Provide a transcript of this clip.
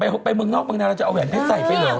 ไปเมืองนอกเมืองนาเราจะเอาแหวนเพชรใส่ไปเหรอ